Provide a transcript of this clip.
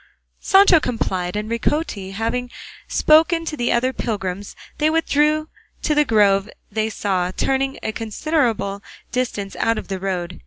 Sancho complied, and Ricote having spoken to the other pilgrims they withdrew to the grove they saw, turning a considerable distance out of the road.